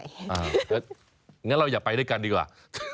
เดี๋ยวงั้นเราอย่าไปด้วยกันดีกว่า